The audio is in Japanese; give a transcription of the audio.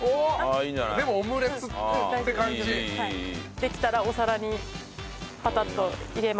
できたらお皿にパタッと入れます。